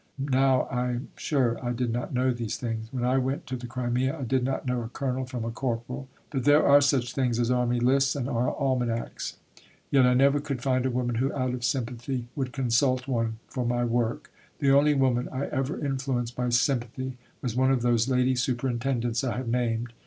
Now I'm sure I did not know these things. When I went to the Crimea I did not know a Colonel from a Corporal. But there are such things as Army Lists and Almanacs. Yet I never could find a woman who, out of sympathy, would consult one for my work. The only woman I ever influenced by sympathy was one of those Lady Superintendents I have named.